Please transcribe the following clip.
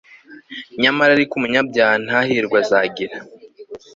nyamara ariko umunyabyaha nta hirwe azagira